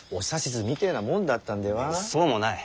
めっそうもない。